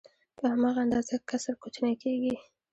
په هماغه اندازه کسر کوچنی کېږي